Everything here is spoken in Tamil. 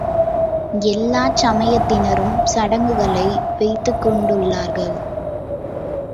எல்லாச் சமயத்தினரும் சடங்குகளை வைத்துக்கொண்டுள்ளார்கள்.